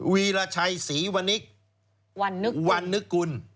วีรชัยศรีวนิกวันนึกกุล